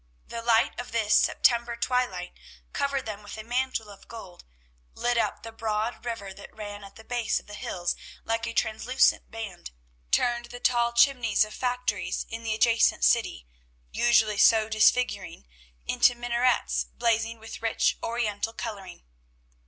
The light of this September twilight covered them with a mantle of gold, lit up the broad river that ran at the base of the hills like a translucent band, turned the tall chimneys of factories in the adjacent city, usually so disfiguring, into minarets, blazing with rich Oriental coloring.